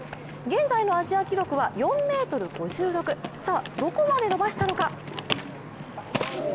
現在のアジア記録は４ｍ５６、さあ、どこまで伸ばしたのか。